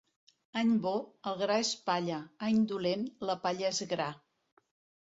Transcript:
Any bo, el gra és palla; any dolent, la palla és gra.